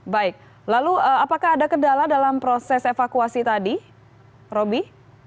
baik lalu apakah ada kendala dalam proses evakuasi tadi roby